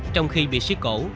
trong khi bị siết cổ